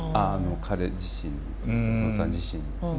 彼自身に東さん自身に。